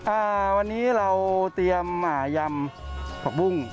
อ่าวันนี้เราเตรียมหมายำผักบุ้ง